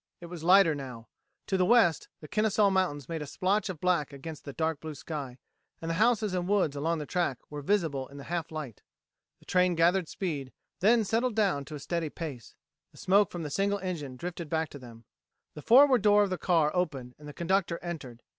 It was lighter now. To the west, the Kennesaw Mountains made a splotch of black against the dark blue sky, and the houses and woods along the track were visible in the half light. The train gathered speed, then settled down to a steady pace. The smoke from the engine drifted back to them. The forward door of the car opened and the conductor entered.